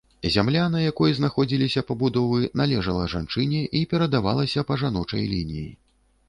Зямля, на якой знаходзіліся пабудовы, належыла жанчыне і перадавалася па жаночай лініі.